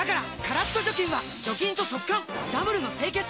カラッと除菌は除菌と速乾ダブルの清潔！